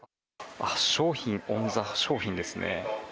商品オンザ商品ですね。